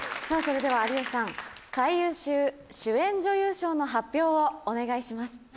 それでは有吉さん最優秀主演女優賞の発表をお願いします。